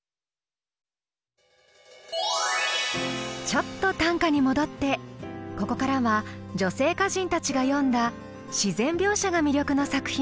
ちょっと短歌に戻ってここからは女性歌人たちが詠んだ自然描写が魅力の作品をご紹介します。